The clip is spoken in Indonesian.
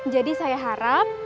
jadi saya harap